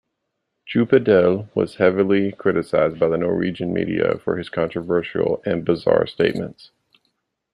Djupedal was heavily criticised by the Norwegian media for his controversial and bizarre statements.